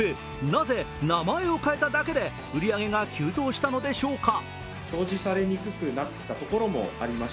なぜ名前を変えただけで売り上げが急増したのでしょうか。